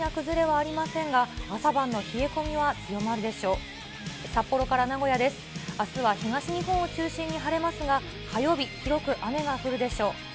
あすは東日本を中心に晴れますが、火曜日、広く雨が降るでしょう。